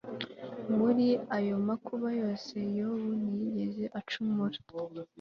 muri ayo makuba yose, yobu ntiyigeze acumura